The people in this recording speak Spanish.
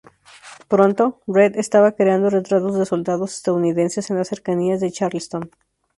Pronto, Rhett estaba creando retratos de soldados estadounidenses en las cercanías de Charleston.